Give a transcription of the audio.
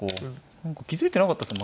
何か気付いてなかったです